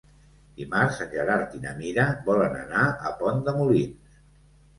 Dimarts en Gerard i na Mira volen anar a Pont de Molins.